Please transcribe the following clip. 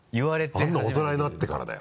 あんなの大人になってからだよ。